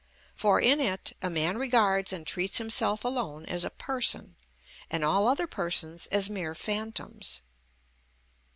For in it a man regards and treats himself alone as a person, and all other persons as mere phantoms.